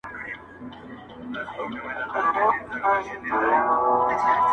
o بحثونه زياتېږي هره ورځ دلته تل,